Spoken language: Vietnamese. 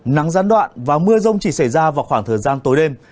nắng gián đoạn và mưa rông chỉ xảy ra vào khoảng thời gian tối đêm